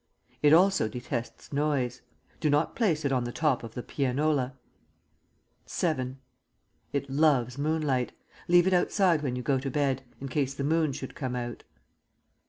It also detests noise. Do not place it on the top of the pianola. VII. It loves moonlight. Leave it outside when you go to bed, in case the moon should come out.